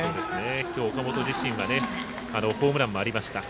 今日、岡本自身はホームランもありました。